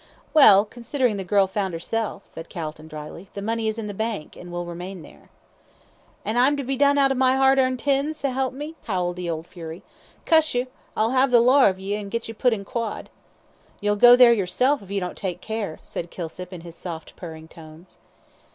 "Well, considering the girl found herself," said Calton, dryly, "the money is in the bank, and will remain there." "An' I'm to be done out of my 'ard earned tin, s'elp me?" howled the old fury. "Cuss ye, I'll 'ave the lawr of ye, and get ye put in quod." "You'll go there yourself if you don't take care," said Kilsip, in his soft, purring tones.